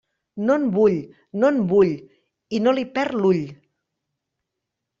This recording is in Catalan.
No en vull, no en vull, i no li perd l'ull.